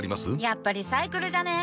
やっぱリサイクルじゃね？